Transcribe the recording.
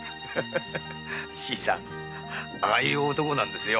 新さんああいう男なんですよ。